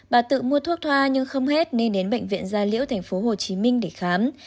bà tự mua thuốc thoa nhưng không hết nên đến bệnh viện gia liễu tp hcm để khám